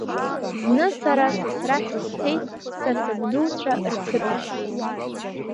Зны сара сасра ҳәа сцеит, са сабдуцәа рқыҭахь.